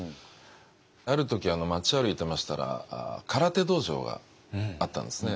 ある時街を歩いてましたら空手道場があったんですね。